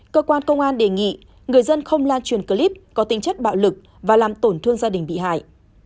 cơ quan công an đề nghị người dân không lan truyền clip có tinh chất bạo lực và làm tổn thương gia đình bị hại